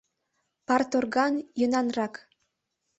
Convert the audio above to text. Парторглан йӧнанрак.